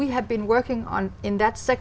là nó sẽ giam giữ